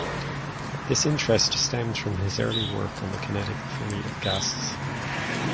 This interest stemmed from his early work on the kinetic theory of gases.